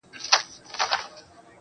خاوري دي ژوند سه، دا دی ارمان دی,